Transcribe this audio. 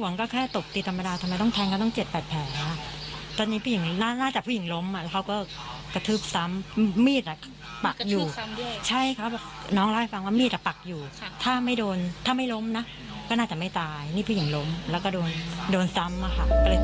หลังเกิดเหตุก็รู้สึกตกใจอย่างมาก